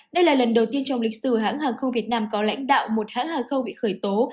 đây là lần đầu tiên trong lịch sử hãng hàng không việt nam có lãnh đạo một hãng hàng không bị khởi tố